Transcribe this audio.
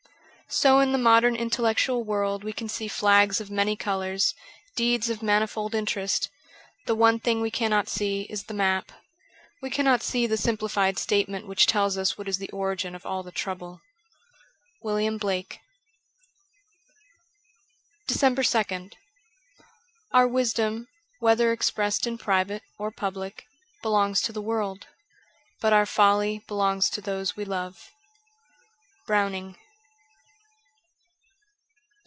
So in the modern intellectual world we can see flags of many colours, deeds of manifold interest ; the one thing we cannot see is the map. We cannot see the simplified statement which tells us what is the origin of all the trouble. 'William Blake: Vf DECEMBER 2nd OUR wisdom, whether expressed in private or public, belongs to the world, but our folly belongs to those we love. 'Browning.'